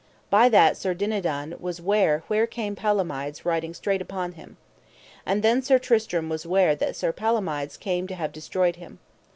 By that Sir Dinadan was ware where came Palomides riding straight upon them. And then Sir Tristram was ware that Sir Palomides came to have destroyed him.